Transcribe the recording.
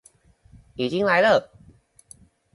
已經來了！